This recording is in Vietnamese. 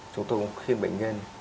chúng tôi cũng khiên bệnh nhân